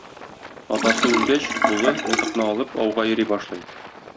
Атасы үлгәч, улы, мылтыкны алып, ауга йөри башлый.